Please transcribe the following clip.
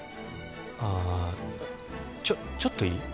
ああちょっちょっといい？